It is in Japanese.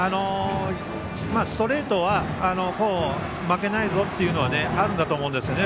ストレートは負けないぞというのはあるんだと思うんですよね